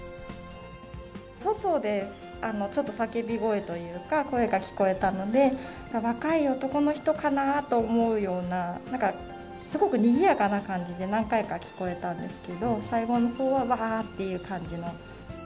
外で、ちょっと叫び声というか、声が聞こえたので、若い男の人かなと思うような、なんかすごくにぎやかな感じで何回か聞こえたんですけど、最後のほうは、わーっていう感じの。